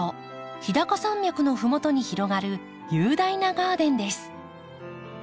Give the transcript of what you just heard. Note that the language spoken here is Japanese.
日高山脈のふもとに広がる雄大なガーデンです。